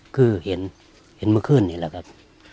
คือเห็นเมื่อคืนนี่แหละครับ